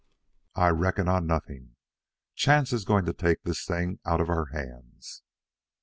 "I reckon on nothing. Chance is going to take this thing out of our hands."